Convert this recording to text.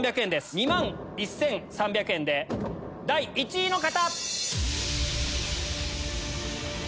２万１３００円で第１位の方！